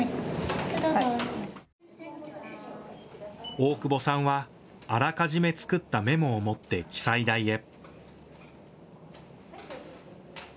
大久保さんはあらかじめ作ったメモを持って記載台へ。